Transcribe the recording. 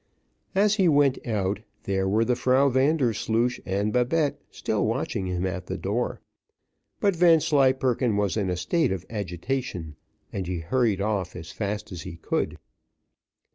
As he went out, there were the Frau Vandersloosh and Babette still watching him at the door, but Vanslyperken was in a state of agitation, and he hurried off as fast as he could.